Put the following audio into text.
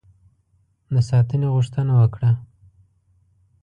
د ساتنې غوښتنه وکړه.